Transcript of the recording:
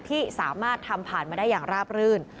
ที่สามารถทำผ่านมาได้อย่างราบรื่น